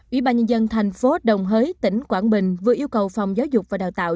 ủy ban nhân dân thành phố đồng hới tỉnh quảng bình vừa yêu cầu phòng giáo dục và đào tạo